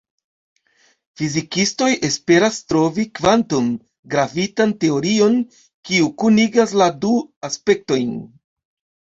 Fizikistoj esperas trovi kvantum-gravitan teorion, kiu kunigas la du aspektojn.